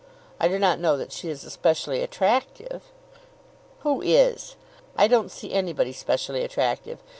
I do not know that she is especially attractive." "Who is? I don't see anybody specially attractive.